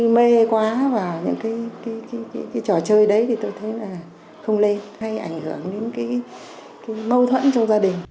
mê quá vào những cái trò chơi đấy thì tôi thấy là không lên hay ảnh hưởng đến cái mâu thuẫn trong gia đình